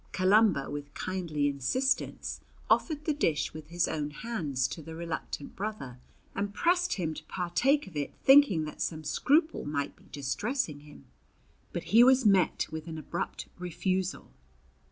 Columba with kindly insistence offered the dish with his own hands to the reluctant brother, and pressed him to partake of it, thinking that some scruple might be distressing him. But he was met with an abrupt refusal.